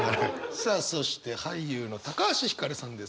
さあそして俳優の橋ひかるさんです。